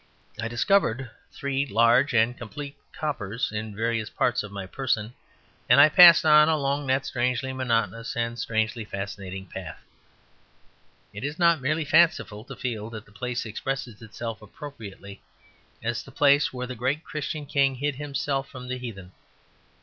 I discovered three large and complete coppers in various parts of my person, and I passed on along that strangely monotonous and strangely fascinating path. It is not merely fanciful to feel that the place expresses itself appropriately as the place where the great Christian King hid himself from the heathen.